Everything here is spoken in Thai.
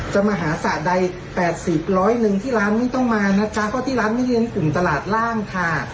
จะมาหาสระใดแปดสิบร้อยหนึ่งที่ร้านไม่ต้องมานะคะเพราะที่ร้านไม่เรียนกลุ่มตลาดร่างค่ะ